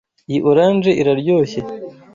Iyi orange iraryoshye.